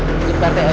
bikin pak rt aja